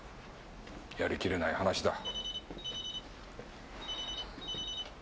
やりきれない話だ。